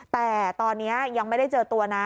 แต่ตอนนี้ยังไม่ได้เจอตัวนะ